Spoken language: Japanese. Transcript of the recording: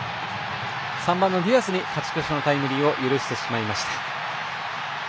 ３番のディアスに勝ち越しのタイムリーを許してしまいました。